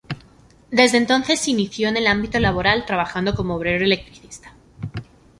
Desde entonces, se inició en el ámbito laboral, trabajando como obrero electricista.